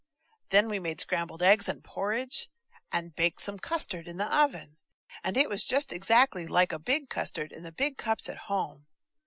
Then we made scrambled egg and porridge, and baked some custard in the oven, and it was just exactly like a big custard in the big cups at home.